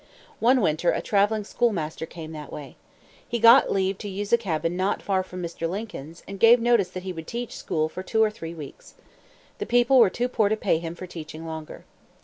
One winter a traveling schoolmaster came that way. He got leave to use a cabin not far from Mr. Lincoln's, and gave notice that he would teach school for two or three weeks. The people were too poor to pay him for teaching longer.